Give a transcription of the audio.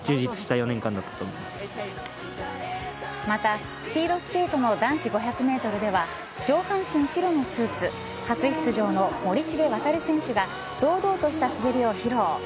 また、スピードスケートの男子５００メートルでは上半身白のスーツ初出場の森重航選手が堂々とした滑りを披露。